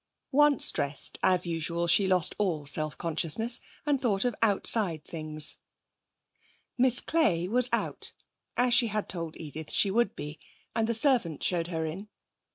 Once dressed, as usual she lost all self consciousness, and thought of outside things. Miss Clay was out, as she had told Edith she would be, and the servant showed her in.